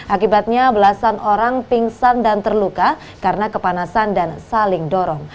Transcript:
akibatnya belasan orang pingsan dan terluka karena kepanasan dan saling dorong